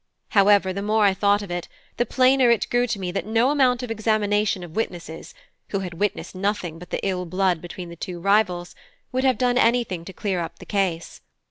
However, the more I thought of it, the plainer it grew to me that no amount of examination of witnesses, who had witnessed nothing but the ill blood between the two rivals, would have done anything to clear up the case.